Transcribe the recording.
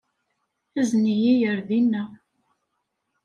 Azen-iyi ar dina.